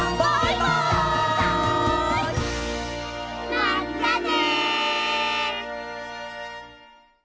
まったね！